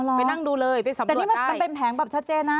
อ๋อเหรอไปนั่งดูเลยไปสำรวจได้แต่นี่มันเป็นแผงแบบชัดเจนนะ